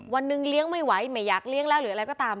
วันหนึ่งเลี้ยงไม่ไหวไม่อยากเลี้ยงแล้วหรืออะไรก็ตาม